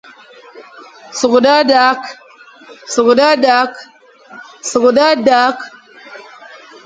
Sughde ndekh.